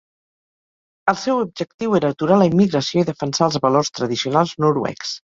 El seu objectiu era aturar la immigració i defensar els valors tradicionals noruecs.